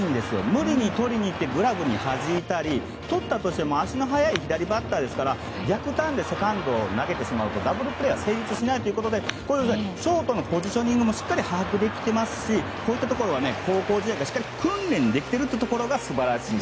無理にとりに行ってグラブではじいたりとったとしても足の速い左バッターですから逆ターンでセカンドに投げてしまうとダブルプレーは成立しないということでショートのポジショニングもしっかり把握できてますしこういうところは高校時代からしっかり訓練できているところが素晴らしい。